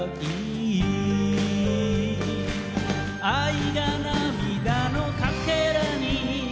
あ！